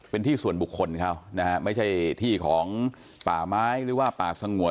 เป็นที่ส่วนบุคคลเขานะฮะไม่ใช่ที่ของป่าไม้หรือว่าป่าสงวน